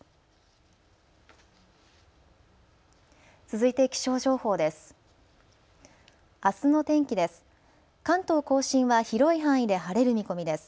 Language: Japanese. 続いて気象情報です。